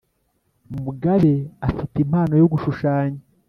mugabe afite impano yo gushushanya